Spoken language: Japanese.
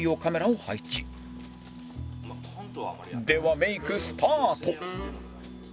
メイクスタート